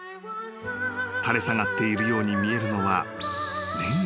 ［垂れ下がっているように見えるのは］